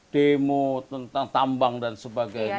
demo tentang tambang dan sebagainya